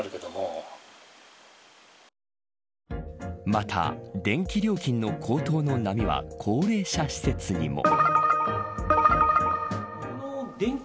また電気料金の高騰の波は高齢者施設にも。